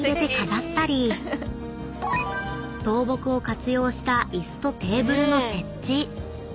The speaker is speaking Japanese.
［倒木を活用した椅子とテーブルの設置］